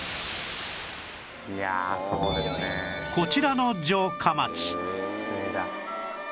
こちらの城下町